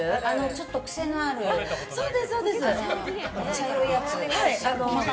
ちょっと癖のある茶色いやつ。